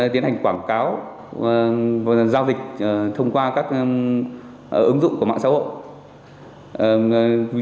tiến hành quảng cáo và giao dịch thông qua các ứng dụng của mạng xã hội